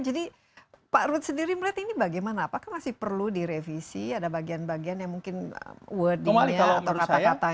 jadi pak rud sendiri melihat ini bagaimana apakah masih perlu direvisi ada bagian bagian yang mungkin wording nya atau kata kata